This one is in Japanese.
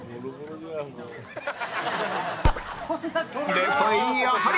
レフトへいい当たり